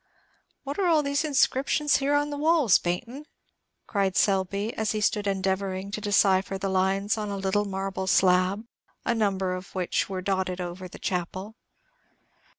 "What are all these inscriptions here on the walls, Baynton?" cried Selby, as he stood endeavoring to decipher the lines on a little marble slab, a number of which were dotted over the chapel.